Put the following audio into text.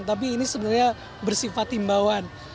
tapi ini sebenarnya bersifat timbawan